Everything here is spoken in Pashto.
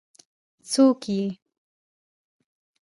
څوک يې؟